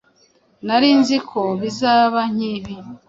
Nari nzi ko bizaba nkibi.